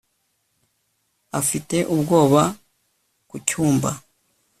afite ubwoba ku cyumba